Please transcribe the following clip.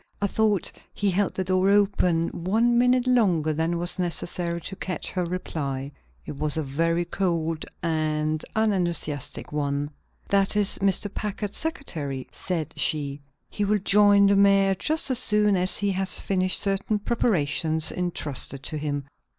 I thought he held the door open one minute longer than was necessary to catch her reply. It was a very cold and unenthusiastic one. "That is Mr. Packard's secretary," said she. "He will join the mayor just as soon as he has finished certain preparations intrusted to him."